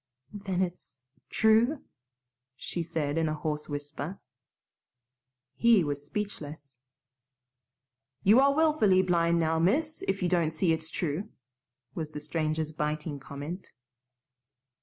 "Then it's true?" she said in a hoarse whisper. He was speechless. "You are willfully blind now, miss, if you don't see it's true," was the stranger's biting comment.